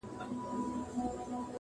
یو بوډا چي وو څښتن د کړوسیانو٫